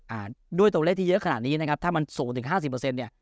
อ่าด้วยตัวเลขที่เยอะขนาดนี้นะครับถ้ามันสูงถึงห้าสิบเปอร์เซ็นต์เนี่ย